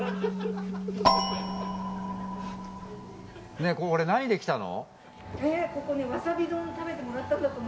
ねえ俺何で来たの？